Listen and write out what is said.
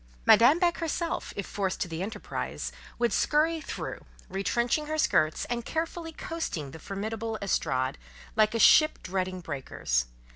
Madame Beck herself, if forced to the enterprise, would "skurry" through, retrenching her skirts, and carefully coasting the formidable estrade, like a ship dreading breakers.